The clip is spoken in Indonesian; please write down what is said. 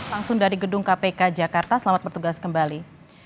langsung dari gedung kpk jakarta selamat bertugas kembali